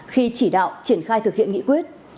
khi chỉ đạo triển khai thực hiện nghị quyết